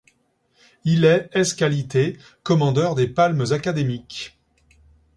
Il est, ès qualités, commandeur des Palmes académiques.